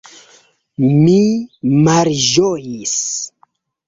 Mi malĝojis.